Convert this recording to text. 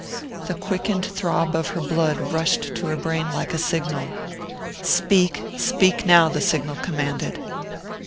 The quickened throb of her blood rushed to her brain like a signal. "Speak speak now!" the signal commanded.